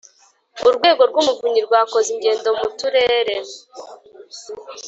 Urwego rw’Umuvunyi rwakoze ingendo mu turere